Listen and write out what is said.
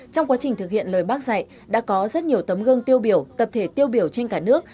trong quá trình thực hiện lời bác dạy đã có rất nhiều tấm gương tiêu biểu tập thể tiêu biểu trên cả nước